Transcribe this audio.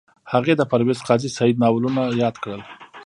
هغې د پرویز قاضي سعید ناولونه یاد کړل